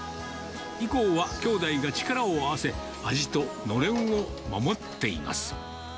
以降は兄妹が力を合わせ、味とのれんを守っています。